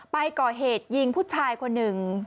ไปก่อเหตุยิงผู้ชายคนหนึ่ง